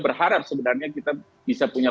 berharap sebenarnya kita bisa punya